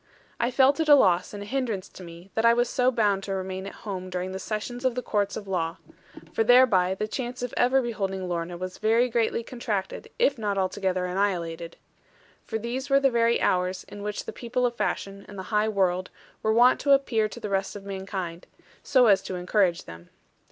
I felt it a loss, and a hindrance to me, that I was so bound to remain at home during the session of the courts of law; for thereby the chance of ever beholding Lorna was very greatly contracted, if not altogether annihilated. For these were the very hours in which the people of fashion, and the high world, were wont to appear to the rest of mankind, so as to encourage them.